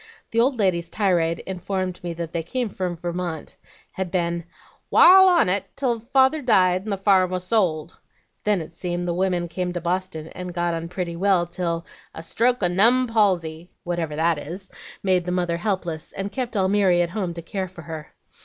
The old lady's tirade informed me that they came from Vermont, had 'been wal on 't till father died and the farm was sold.' Then it seems the women came to Boston and got on pretty well till 'a stroke of numb palsy,' whatever that is, made the mother helpless and kept Almiry at home to care for her.